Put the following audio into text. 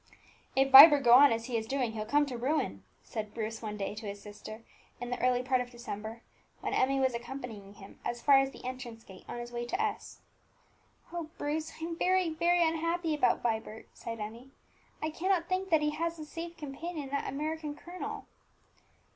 "If Vibert go on as he is doing, he'll come to ruin," said Bruce one day to his sister, in the early part of December, when Emmie was accompanying him as far as the entrance gate on his way to S . "Oh, Bruce, I am very, very unhappy about Vibert," sighed Emmie; "I cannot think that he has a safe companion in that American colonel."